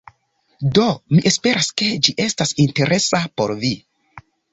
Do, mi esperas, ke ĝi estas interesa por vi